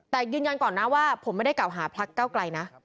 แต่ยืนยันก่อนนะว่าผมไม่ได้กล่าวหาพักเก้าไกลนะ